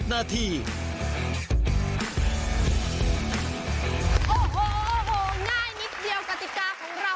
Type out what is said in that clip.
โอ้โหง่ายนิดเดียวกติกาของเรา